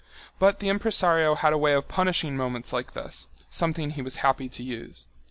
But the impresario had a way of punishing moments like this, something he was happy to use.